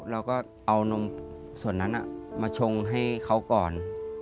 เราก็เอานมส่วนนั้นมาชงให้เขาก่อน